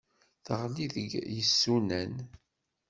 Teɣli deg yisunan.